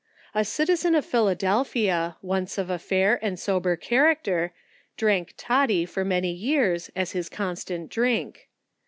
A citizen of Philadelphia, once of a fair and sober character, drank toddy for many years, as his constant drink.